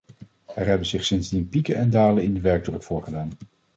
Er hebben zich sindsdien pieken en dalen in de werkdruk voorgedaan.